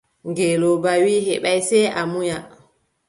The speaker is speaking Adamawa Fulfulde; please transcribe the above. Ngelooba wii: mi heɓaay, sey a munya.